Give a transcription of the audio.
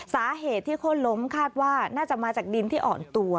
สาเหตุที่โค้นล้มคาดว่าน่าจะมาจากดินที่อ่อนตัว